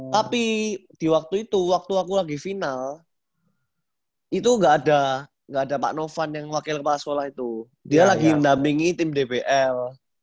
tapi di waktu itu waktu aku lagi final itu nggak ada nggak ada pak novan yang wakil kepala sekolah itu dia lagi mendampingi tim dpl